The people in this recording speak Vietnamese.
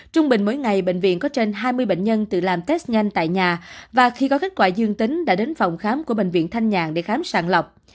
trung bình mỗi ngày bệnh viện có trên hai mươi bệnh nhân tự làm test nhanh tại nhà và khi có kết quả dương tính đã đến phòng khám của bệnh viện thanh nhàn để khám sàng lọc